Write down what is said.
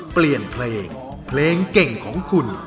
เปลี่ยนเพลงเพลงเก่งของคุณ